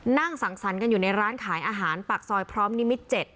นั่งสังสรรค์กันอยู่ในร้านขายอาหารปากซอยพร้อมนิมิตร๗